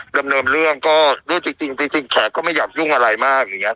ดำเนินเรื่องก็ด้วยจริงแขกก็ไม่อยากยุ่งอะไรมากอย่างเงี้